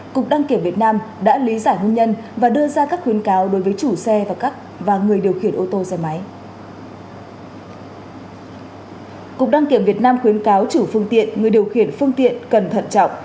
cục đăng kiểm việt nam khuyến cáo chủ phương tiện người điều khiển phương tiện cần thận trọng